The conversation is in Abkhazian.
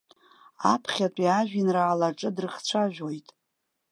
Аԥхьатәи ажәеинраалаҿы дрыхцәажәоит.